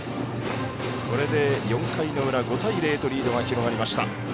これで４回の裏５対０とリードが広がりました。